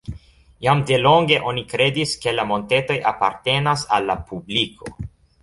Jam delonge oni kredis, ke la montetoj apartenas al la publiko.